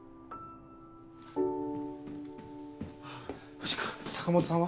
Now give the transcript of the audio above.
藤君坂本さんは？